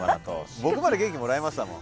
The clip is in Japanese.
僕まで元気もらいましたもん。